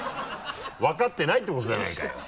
分かってないってことじゃないかよ。